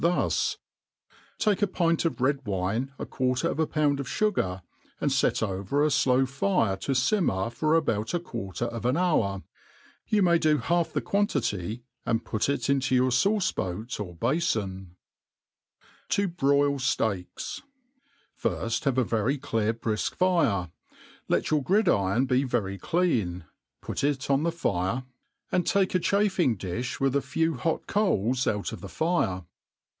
thus :. take a pint of red w\sie^ 9 quarter of a pound of fugar, and fet over a flow fire to fim mer for about a qu^irter of an hour. You may do half the quan tity, and put U intQ yottr fauce bpat or bafom • f '... To hroil Steaks. FIRST have a very clear briflc fi^ e : let your gridiron be VCfy clean ; put it on the fire, and take O; chaifing difh with a , B% ^. few S THE ART OF COOKERY few hot coals out of the fire.